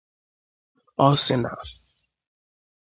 Ọ sị na